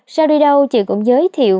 sao đi đâu chị cũng giới thiệu